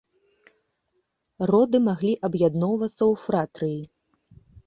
Роды маглі аб'ядноўвацца ў фратрыі.